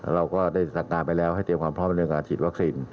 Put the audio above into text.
เราก็ได้สั่งการไปแล้วให้เตรียมความพร้อมเรื่องการฉีดวัคซีน